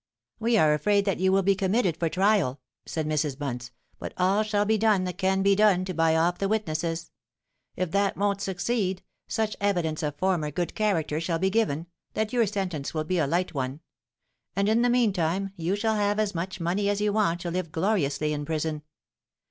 'We are afraid that you will be committed for trial,' said Mrs. Bunce; 'but all shall be done that can be done to buy off the witnesses. If that won't succeed, such evidence of former good character shall be given, that your sentence will be a light one; and in the meantime you shall have as much money as you want to live gloriously in prison.